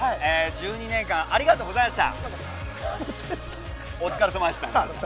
１２年間ありがとうございました。